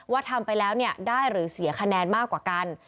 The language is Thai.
ทำไปแล้วได้หรือเสียคะแนนมากกว่ากัน